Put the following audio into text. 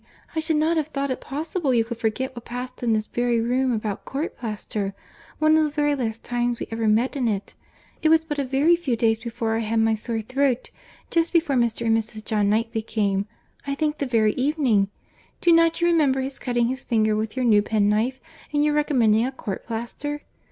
I should not have thought it possible you could forget what passed in this very room about court plaister, one of the very last times we ever met in it!—It was but a very few days before I had my sore throat—just before Mr. and Mrs. John Knightley came—I think the very evening.—Do not you remember his cutting his finger with your new penknife, and your recommending court plaister?